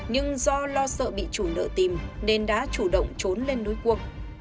nhưng do lo sợ bị chủ nợ tìm nên đã chủ động trốn lên núi cuông